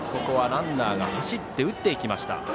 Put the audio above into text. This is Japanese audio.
ランナーが走って打っていきました。